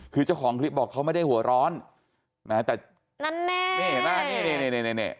คือเจ้าของคลิปบอกเขาไม่ได้หัวร้อนแม้แต่นั้นแน่นี่เห็นไหมนี่นี่